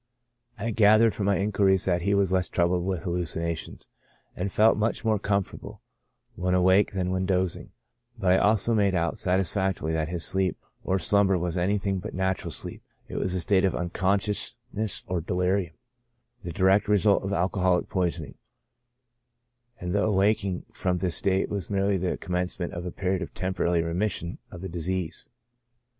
I gathered from my inquiries that he was less troubled with hallucinations, and felt much more comfortable, when awake than when doz ing ; but I also made out, satisfactorily, that his sleep or slumber was anything but natural sleep ; it was a state of unconsciousness or delirium, the direct result of alcoholic poisoning ; and the awaking from this state was merely the commencement of a period of temporary remission of the disease.